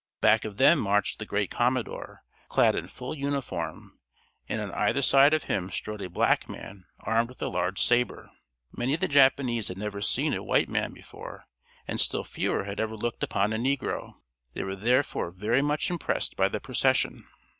Back of them marched the great commodore, clad in full uniform, and on either side of him strode a black man armed with a large sabre. Many of the Japanese had never seen a white man before, and still fewer had ever looked upon a negro. They were therefore very much impressed by the procession.